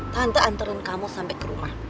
tante antaran kamu sampai ke rumah